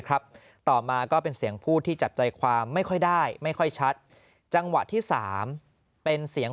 ต่อมาก็เป็นเสียงพูดที่จับใจความไม่ค่อยได้ไม่ค่อยชัดจังหวะที่๓เป็นเสียง